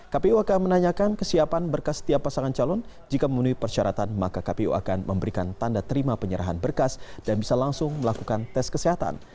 kpu akan menanyakan kesiapan berkas setiap pasangan calon jika memenuhi persyaratan maka kpu akan memberikan tanda terima penyerahan berkas dan bisa langsung melakukan tes kesehatan